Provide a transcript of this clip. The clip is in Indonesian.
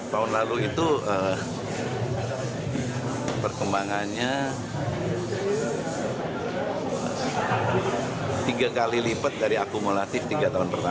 tahun lalu itu perkembangannya tiga kali lipat dari akumulatif tiga tahun pertama